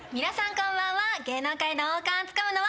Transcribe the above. こんばんは。